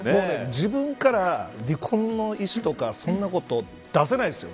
自分から離婚の意志とかそんなこと出せないですよ。